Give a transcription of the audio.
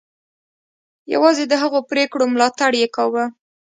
یوازې د هغو پرېکړو ملاتړ یې کاوه.